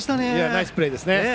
ナイスプレーですね。